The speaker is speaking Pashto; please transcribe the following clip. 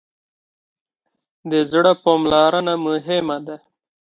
د زړه پاملرنه مهمه ده.